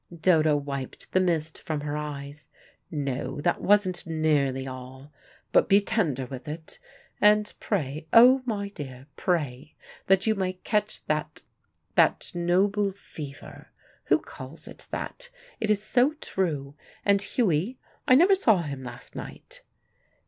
Dodo wiped the mist from her eyes. "No, that wasn't nearly all. But be tender with it, and pray, oh, my dear, pray, that you may catch that that 'noble fever.' Who calls it that? It is so true. And Hughie? I never saw him last night."